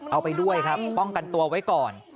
เอาไปด้วยครับป้องกันตัวไว้ก่อน